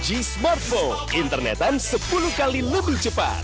g smartphone internetan sepuluh kali lebih cepat